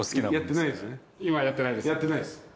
やってないですよね？